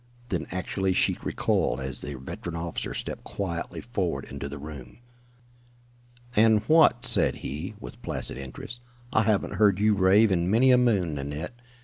Then actually she recoiled as the veteran officer stepped quietly forward into the room. "And what?" said he, with placid interest. "I haven't heard you rave in many a moon, Nanette.